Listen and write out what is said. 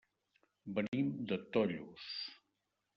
Venim de Tollos.